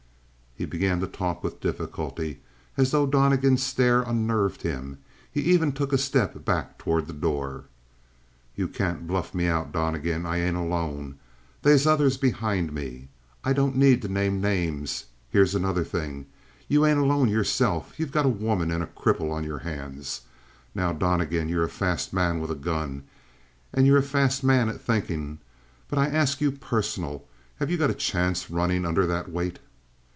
He began to talk with difficulty, as though Donnegan's stare unnerved him. He even took a step back toward the door. "You can't bluff me out, Donnegan. I ain't alone. They's others behind me. I don't need to name no names. Here's another thing: you ain't alone yourself. You got a woman and a cripple on your hands. Now, Donnegan, you're a fast man with a gun and you're a fast man at thinkin', but I ask you personal: have you got a chance runnin' under that weight?"